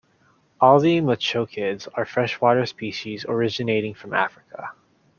All the mochokids are freshwater species originating from Africa.